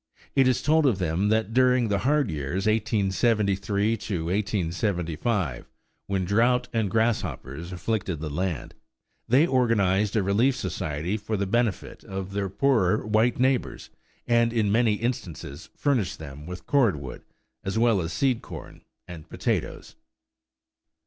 It is told of them that, during the hard years 1873 to 1875, when drought and grasshoppers afflicted the land, they organized a relief society for the benefit of their poorer white neighbors, and in many instances furnished them with cordwood as well as seed corn and potatoes.